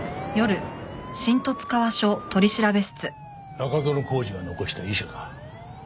中園宏司が残した遺書だ。